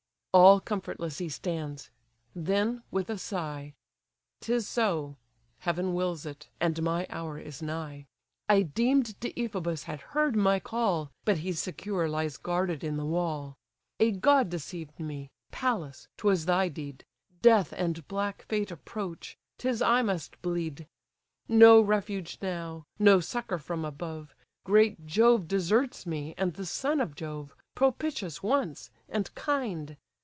All comfortless he stands: then, with a sigh; "'Tis so—Heaven wills it, and my hour is nigh! I deem'd Deiphobus had heard my call, But he secure lies guarded in the wall. A god deceived me; Pallas, 'twas thy deed, Death and black fate approach! 'tis I must bleed. No refuge now, no succour from above, Great Jove deserts me, and the son of Jove, Propitious once, and kind!